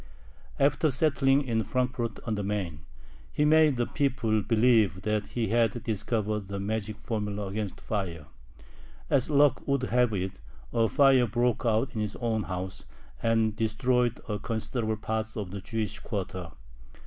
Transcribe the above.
After settling in Frankfort on the Main, he made the people believe that he had discovered a magic formula against fire. As luck would have it, a fire broke out in his own house, and destroyed a considerable part of the Jewish quarter.